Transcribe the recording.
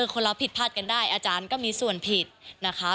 คนเราผิดพลาดกันได้อาจารย์ก็มีส่วนผิดนะคะ